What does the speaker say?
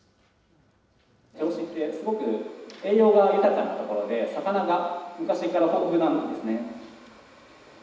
銚子ってすごく栄養が豊かな所で、魚が昔から豊富なんですね。